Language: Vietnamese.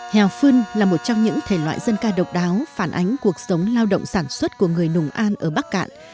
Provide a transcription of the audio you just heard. hèo phân là một trong những thể loại dân ca độc đáo phản ánh cuộc sống lao động sản xuất của người nùng an ở bắc cạn